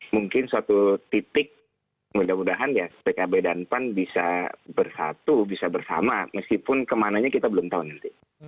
mungkin suatu titik mudah mudahan ya pkb dan pan bisa bersatu bisa bersama meskipun kemananya kita belum tahu nanti